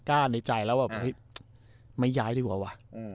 ตัดสินใจแล้วว่าไม่ย้ายดีกว่าว่ะ